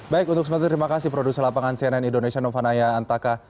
baik untuk sementara terima kasih produser lapangan cnn indonesia novanaya antaka